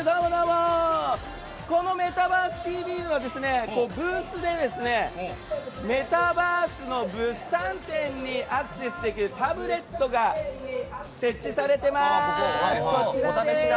「メタバースＴＶ！！」のブースではメタバースの物産展にアクセスできるタブレットが設置されてます。